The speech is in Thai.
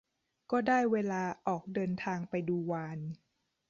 ก็ได้เวลาออกเดินทางไปดูวาฬ